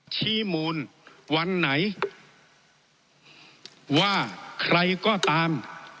ชี้มูลวันไหนว่าใครก็ตาม